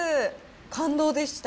感動でした。